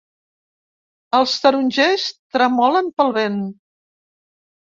Els tarongers tremolen pel vent.